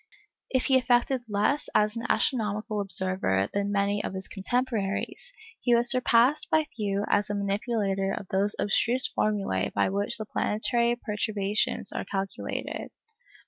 If he effected less as an astronomical observer than many of his contemporaries, he was surpassed by few as a manipulator of those abstruse formulæ by which the planetary perturbations are calculated.